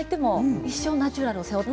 一生、ナチュラルを背負って。